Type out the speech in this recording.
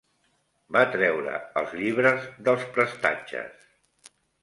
Va treure els llibres dels prestatges